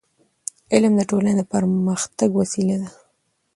علم د ټولنې د پرمختګ وسیله ده.